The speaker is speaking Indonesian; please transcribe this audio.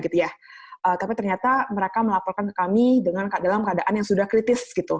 tapi ternyata mereka melaporkan ke kami dalam keadaan yang sudah kritis